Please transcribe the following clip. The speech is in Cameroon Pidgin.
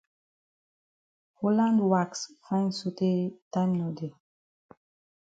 Holland wax fine sotay time no dey.